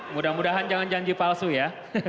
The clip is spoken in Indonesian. mudah mudahan jangan janji palsu ya